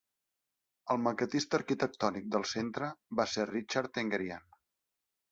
El maquetista arquitectònic del Centre va ser Richard Tenguerian.